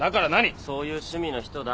そういう趣味の人だ。